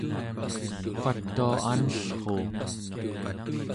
watua anellruuq